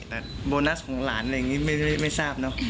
แต่โบนัสของหลานอะไรอย่างนี้ไม่ทราบเนอะ